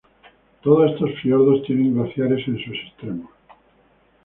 Todos estos fiordos tienen glaciares en sus extremos.